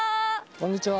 こんにちは。